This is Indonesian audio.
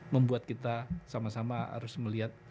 membuat kita sama sama harus melihat